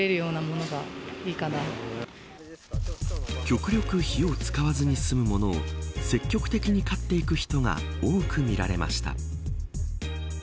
極力、火を使わずに済むものを積極的に買っていく人が多く見られました。